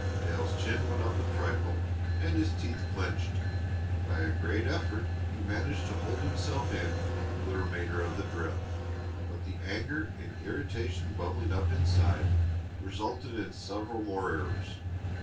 Dale's chin went up a trifle, and his teeth clenched. By a great effort he managed to hold himself in for the remainder of the drill, but the anger and irritation bubbling up inside resulted in several more errors.